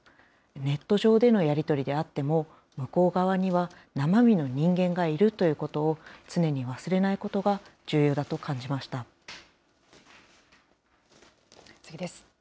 ネット上でのやり取りであっても、向こう側には生身の人間がいるということを常に忘れないことが重次です。